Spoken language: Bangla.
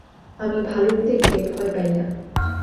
আমি ভালুক দেখে ভয় পাই না।